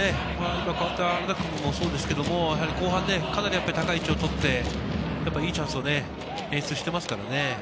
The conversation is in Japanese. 今、代わった原田君もそうですけど、後半かなり高い位置をとって、いいチャンスをね、演出していますからね。